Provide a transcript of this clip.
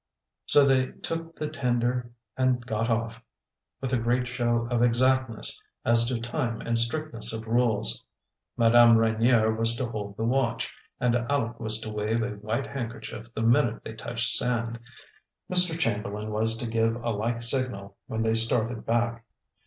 So they took the tender and got off, with a great show of exactness as to time and strictness of rules. Madame Reynier was to hold the watch, and Aleck was to wave a white handkerchief the minute they touched sand. Mr. Chamberlain was to give a like signal when they started back.